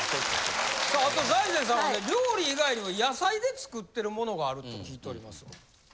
さああと財前さんはね料理以外にも野菜で作ってるものがあると聞いておりますが。